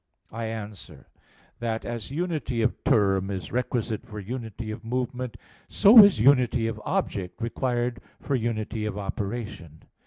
I answer that, As unity of term is requisite for unity of movement, so is unity of object required for unity of operation.